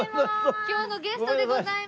今日のゲストでございます。